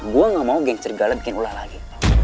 gue gak mau geng cerigala bikin ulah lagi